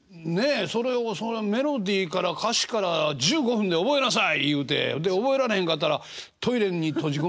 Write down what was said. それをそのメロディーから歌詞から１５分で覚えなさい言うてで覚えられへんかったらトイレに閉じ込められて。